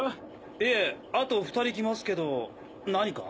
いえあと２人来ますけど何か？